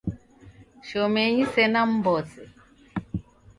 Shomenyi sena mmbose